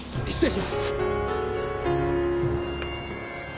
失礼します。